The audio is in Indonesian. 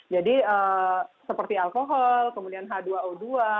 jadi seperti alkohol kemudian h dua o dua